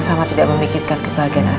sama adaikesan setiap kelemahannya